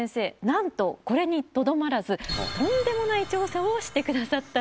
なんとこれにとどまらずとんでもない調査をしてくださったんです。